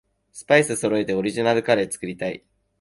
スパイスそろえてオリジナルカレー作りたい